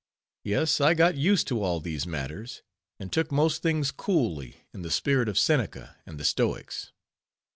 Yes, I got used to all these matters, and took most things coolly, in the spirit of Seneca and the stoics.